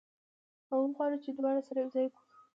او وغواړو چې دواړه سره یو ځای کړو.